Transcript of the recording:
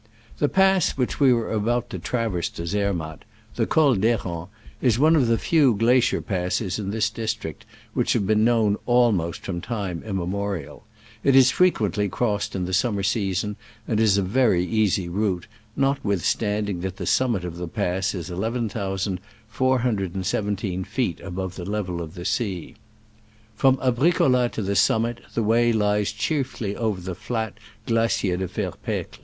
The pass which we were about to traverse to Zermatt — the Col d' Kerens — is one of the few glacier passes in this district which have been known almost from time immemorial. It is frequently crossed in the summer season, and is a very easy route, notwithstanding that the summit of the pass is 11,417 feet above the level of the sea. P'rom Abricolla to the summit the way lies chiefly over the flat Glacier de Fer pecle.